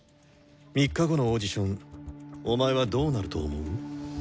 ３日後のオーディションお前はどうなると思う？